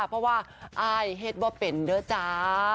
เพราะว่าอายเห็นว่าเป็นเด้อจ้า